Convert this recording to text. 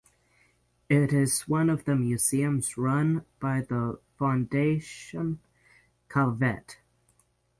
It is one of the museums run by the Fondation Calvet.